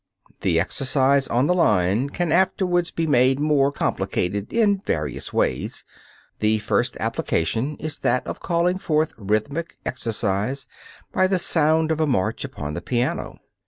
The exercise on the line can afterwards be made more complicated in various ways. The first application is that of calling forth rhythmic exercise by the sound of a march upon the piano.